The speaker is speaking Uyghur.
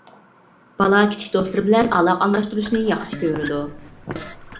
بالا كىچىك دوستلىرى بىلەن ئالاقە ئالماشتۇرۇشنى ياخشى كۆرىدۇ.